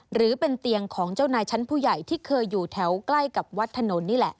หรือเป็นเตียงของเจ้านายชั้นผู้ใหญ่ที่เคยอยู่แถวใกล้กับวัดถนนนี่แหละ